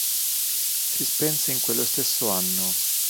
Si spense in quello stesso anno.